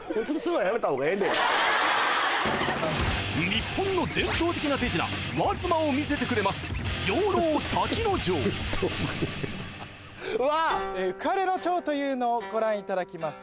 日本の伝統的な手品和妻を見せてくれます浮かれの蝶というのをご覧いただきます